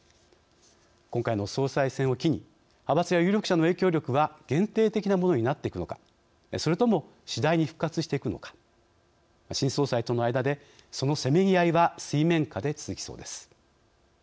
今回の総裁選を機に派閥や有力者の影響力は限定的なものになっていくのかそれとも次第に復活していくのか新総裁との間でそのせめぎ合いは水面下で続きそうです。